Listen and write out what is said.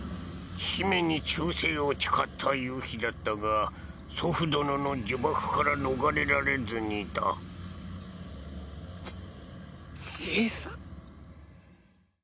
姫に忠誠を誓った夕日だったが祖父殿の呪縛から逃れられずにいたじじいさ。